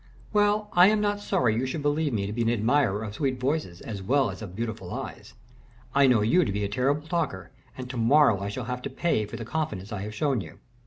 "Well, I am not sorry you should believe me to be an admirer of sweet voices as well as of beautiful eyes. I know you to be a terrible talker, and to morrow I shall have to pay for the confidence I have shown you."